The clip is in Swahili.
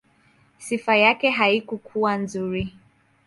Sifa yake haikuwa nzuri.